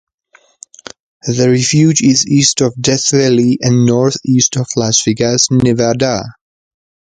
The refuge is east of Death Valley and northeast of Las Vegas, Nevada.